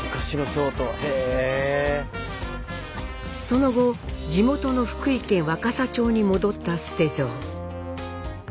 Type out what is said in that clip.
その後地元の福井県若狭町に戻った捨蔵。